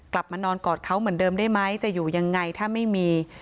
กลับมานอนกอดเขาเหมือนเดิมได้ไหมจะอยู่ยังไงถ้าไม่มี